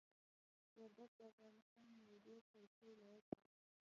وردګ د افغانستان یو ډیر ښایسته ولایت ده.